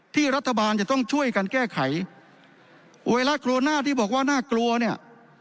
ที่รัฐบาลจะต้องช่วยกันแก้ไขไวรัสโคโรนาที่บอกว่าน่ากลัวเนี่ย